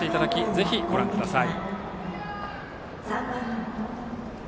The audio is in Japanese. ぜひ、ご覧ください。